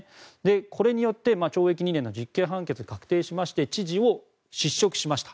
これによって懲役２年の実刑判決が確定して知事を失職しました。